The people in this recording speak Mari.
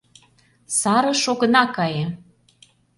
— Сарыш огына кае!